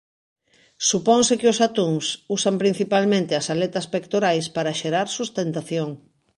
Suponse que os atúns usan principalmente as aletas pectorais para xerar sustentación.